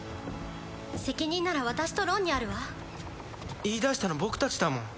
責任なら私とロンにあるわ言いだしたの僕たちだもん